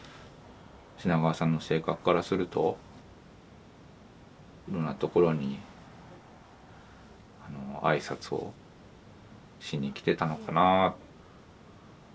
品川さんの性格からするといろんなところに挨拶をしに来てたのかな。